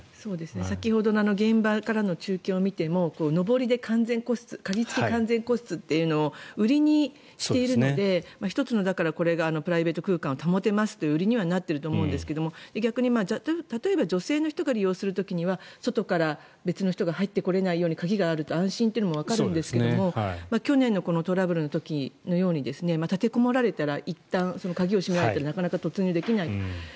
先ほどの現場からの中継を見てものぼりで完全個室鍵付き個室というのを売りにしているので１つのこれがプライベート空間を保てますという売りにはなっていると思うんですが逆に、例えば、女性の人が利用する時には外から別の人が入ってこられないように鍵があると安心というのもわかるんですが去年のトラブルの時のように立てこもられていったん鍵を閉められるとなかなか突入できない。